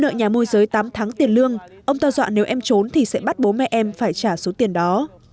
các tiền lương ông ta dọa nếu em trốn thì sẽ bắt bố mẹ em phải trả số tiền đó